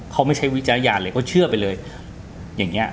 เขาไม่ใช้วิจารณญาณเลยเขาเชื่อไปเลยอย่างนี้